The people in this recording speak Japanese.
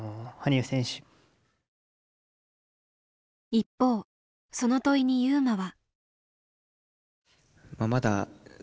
一方その問いに優真は。